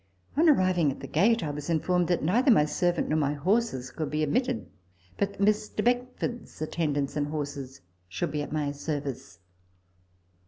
On arriving at the gate, I was informed that neither my servant nor my horses could be admitted, but that Mr. Beckford's attendants and horses should be at my service.